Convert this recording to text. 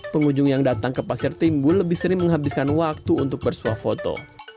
pengunjung yang datang ke pasir timbul lebih sering menghabiskan waktu untuk bersuah foto